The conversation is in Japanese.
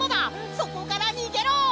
そこからにげろ！